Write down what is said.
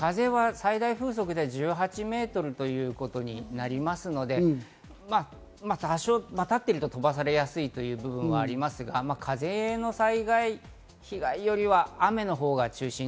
最大風速で１８メートルということになりますので、多少立っていると飛ばされやすいという部分はありますが、風の災害、被害よりは雨のほうが中心。